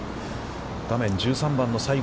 画面１３番の西郷。